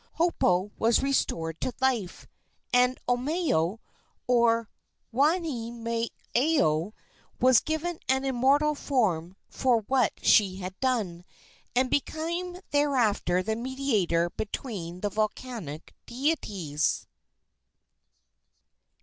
Hopoe was restored to life, and Omeo, or Wahineomeo, was given an immortal form for what she had done, and became thereafter the mediator between the volcanic deities.